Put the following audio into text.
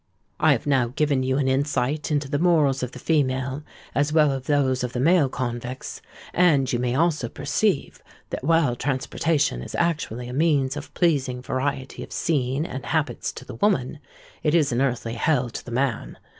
"I have now given you an insight into the morals of the female, as well as those of the male convicts; and you may also perceive that while transportation is actually a means of pleasing variety of scene and habits to the woman, it is an earthly hell to the man.